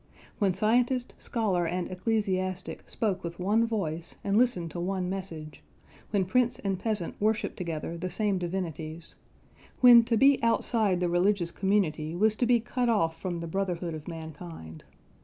When scientist, scholar and ecclesiastic spoke with one voice and listened to one message; when prince and peasant worshipped together the same divinities; when to be outside the religious community was to be cut off from the brotherhood of mankind.